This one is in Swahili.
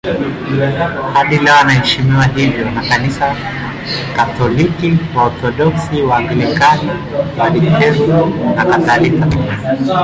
Hadi leo anaheshimiwa hivyo na Kanisa Katoliki, Waorthodoksi, Waanglikana, Walutheri nakadhalika.